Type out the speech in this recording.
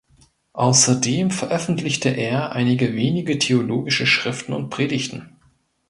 Außerdem veröffentlichte er einige wenige theologische Schriften und Predigten.